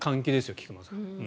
菊間さん。